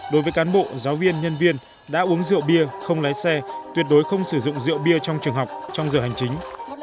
đối với cán bộ giáo viên nhân viên đã uống rượu bia không lái xe tuyệt đối không sử dụng rượu bia trong trường học trong giờ hành chính